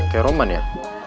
kayak roman ya